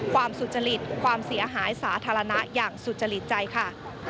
สุจริตความเสียหายสาธารณะอย่างสุจริตใจค่ะ